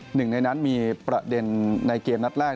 หนึ่งในนั้นมีประเด็นในเกมนัดแรก